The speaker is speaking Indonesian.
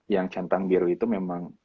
yang centang biru itu memang